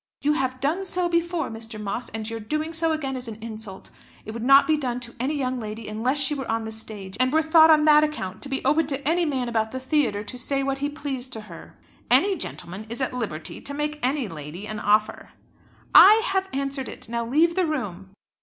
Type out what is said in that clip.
"You have done so before, Mr. Moss, and your doing so again is an insult. It would not be done to any young lady unless she were on the stage, and were thought on that account to be open to any man about the theatre to say what he pleased to her." "Any gentleman is at liberty to make any lady an offer." "I have answered it. Now leave the room."